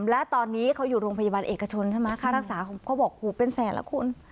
และตอนนี้เขาอยู่โรงพยาบาลเอกชนใช่ไหมค่ารักษาเขาบอกหูเป็นแสนแล้วคุณ